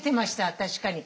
確かに。